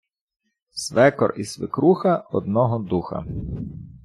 свекор і свекруха – одного духа